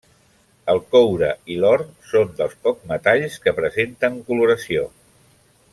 El coure i l'or són dels pocs metalls que presenten coloració.